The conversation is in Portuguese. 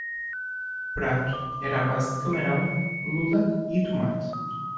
O prato era à base de camarão, lula e tomate